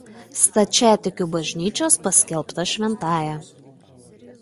Stačiatikių Bažnyčios paskelbta šventąja.